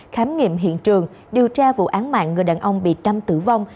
khám nghiệm hiện trường điều tra vụ án mạng người đàn ông bị trâm tử vong